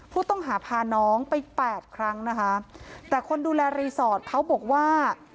ผู้ต้องหาพาน้องไปแปดครั้งนะคะแต่คนดูแลรีสอร์ทเขาบอกว่า